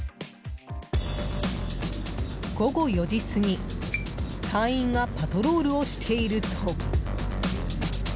午後４時過ぎ隊員がパトロールをしていると。